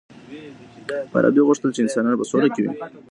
فارابي غوښتل چی انسانان په سوله کي وي.